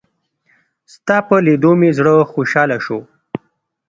ستا په لېدو مې زړه خوشحاله شو.